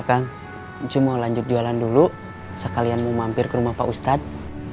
kan cuma lanjut jualan dulu sekalian mau mampir ke rumah pak ustadz